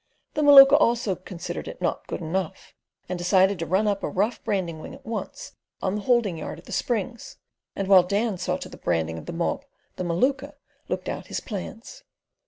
The Maluka also considered it not "good enough," and decided to run up a rough branding wing at once on to the holding yard at the Springs; and while Dan saw to the branding of the mob the Maluka looked out his plans.